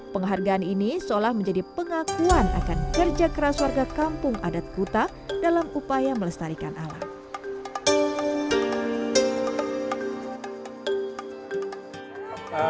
penghargaan ini seolah menjadi pengakuan akan kerja keras warga kampung adat kuta dalam upaya melestarikan alam